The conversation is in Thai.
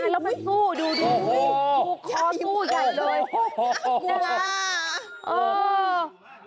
แล้วมันซู่ดูกูคอซู่ใหญ่เลย